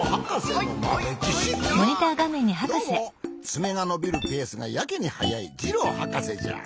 つめがのびるペースがやけにはやいジローはかせじゃ。